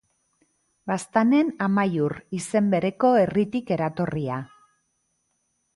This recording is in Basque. Baztanen Amaiur, izen bereko herritik eratorria.